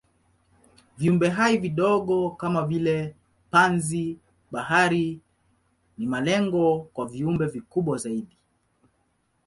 Viumbehai vidogo kama vile panzi-bahari ni malengo kwa viumbe vikubwa zaidi.